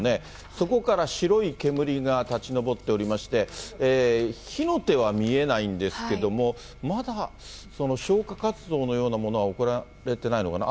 そこから白い煙が立ち上っておりまして、火の手は見えないんですけども、まだ消火活動のようなものは行われてないのかな。